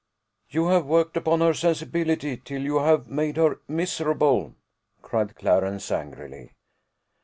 "You have worked upon her sensibility till you have made her miserable," cried Clarence, angrily.